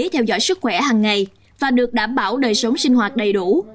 theo dõi sức khỏe hằng ngày và được đảm bảo đời sống sinh hoạt đầy đủ